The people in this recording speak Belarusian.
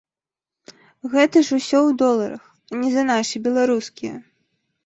Гэта ж усё ў доларах, а не за нашы беларускія!